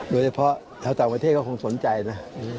โดยเฉพาะชาวต่างประเทศก็คงสนใจนะ